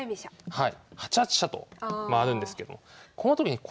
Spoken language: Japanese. はい。